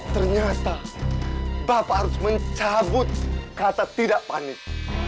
ternyata bapak harus mencabut kata tidak panik